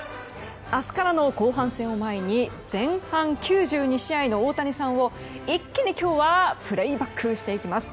明日からの後半戦を前に前半９２試合の大谷さんを一気に今日はプレーバックしていきます。